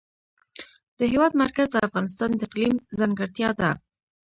د هېواد مرکز د افغانستان د اقلیم ځانګړتیا ده.